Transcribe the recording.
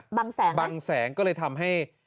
บางแสงบางแสงก็เลยทำให้